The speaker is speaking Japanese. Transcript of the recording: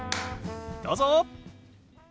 どうぞ！